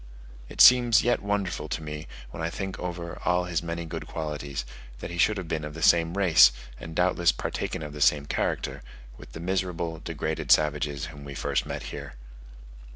It seems yet wonderful to me, when I think over all his many good qualities that he should have been of the same race, and doubtless partaken of the same character, with the miserable, degraded savages whom we first met here.